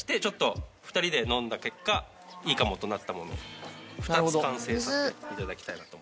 ２人で飲んだ結果いいかもとなったものを２つ完成させて頂きたいなと。